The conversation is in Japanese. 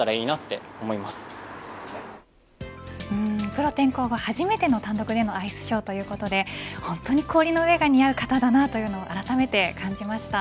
プロ転向後初めての単独でのアイスショーということで本当に氷の上が似合う方だなとあらためて感じました。